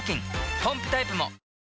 ポンプタイプも！